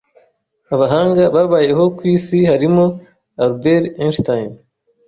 ’abahanga babayeho ku isi barimo Albert Einstein,